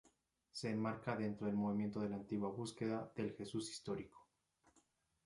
Se enmarca dentro del movimiento de la Antigua búsqueda del Jesús histórico.